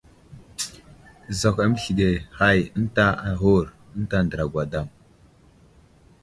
Zakw aməslige hay ənta aghur ənta andra gwadam.